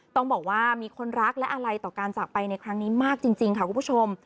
ต้องบอกว่ามีคนรักและอะไรต่อการจากไปในครั้งนี้มากจริงค่ะคุณผู้ชม